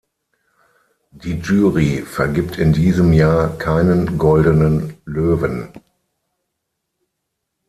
Die Jury vergibt in diesem Jahr keinen Goldenen Löwen.